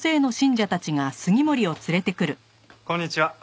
こんにちは。